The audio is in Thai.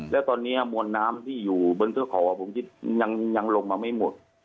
แล้วตอนนี้มวลน้ำที่อยู่บนเทือกเขาผมคิดยังลงมาไม่หมด